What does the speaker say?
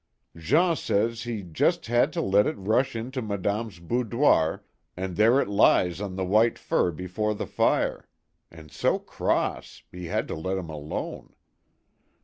Jean says he just had to let it rush into Ma dame's boudoir, and there it lies on the white i fur before the fire and so cross ! he had to let him alone.